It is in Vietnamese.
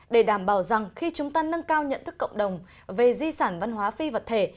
để đảm bảo rằng khi chúng ta nâng cao nhận thức cộng đồng về di sản văn hóa phi vật thể